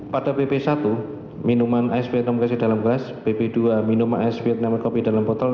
pada bp satu minuman ice vietnam krisis dalam keras bp dua minuman ice vietnam krisis dalam botol